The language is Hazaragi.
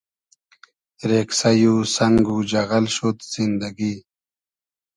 رېگسݷ و سئنگ و جئغئل شود زیندئگی